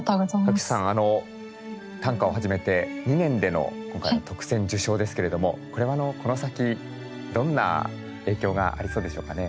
薄暑さんあの短歌を始めて２年での今回は特選受賞ですけれどもこれはあのこの先どんな影響がありそうでしょうかね？